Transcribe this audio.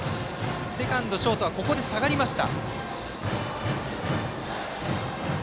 セカンド、ショートはここで下がりました。